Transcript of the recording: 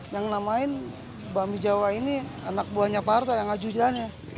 yang namain bakmi jawa ini anak buahnya pak harto yang ajujanya